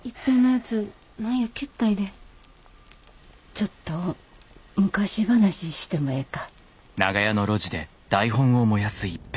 ちょっと昔話してもええか。